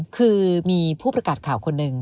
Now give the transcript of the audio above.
คือมีผู้ประกาศข่าวคนหนึ่ง